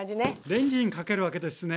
レンジにかけるわけですね。